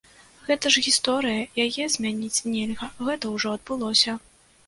Гэта ж гісторыя, яе змяніць нельга, гэта ўжо адбылося!